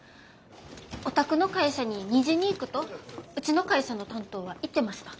お宅の会社に２時に行くとうちの会社の担当は言ってました。